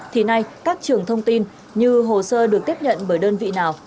thì nay các trường thông tin như hồ sơ được tiếp nhận bởi đơn vị nào